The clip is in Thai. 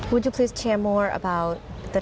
คิดว่าเกิดอะไรขึ้น